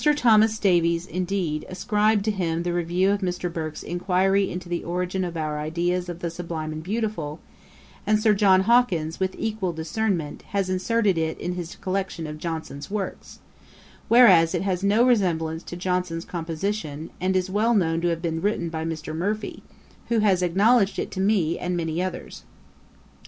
Thomas Davies indeed, ascribed to him the Review of Mr. Burke's 'Inquiry into the Origin of our Ideas of the Sublime and Beautiful;' and Sir John Hawkins, with equal discernment, has inserted it in his collection of Johnson's works: whereas it has no resemblance to Johnson's composition, and is well known to have been written by Mr. Murphy, who has acknowledged it to me and many others.